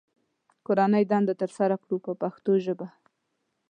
کورنۍ دنده ترسره کړو په پښتو ژبه.